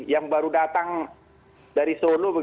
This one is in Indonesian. yang baru datang dari solo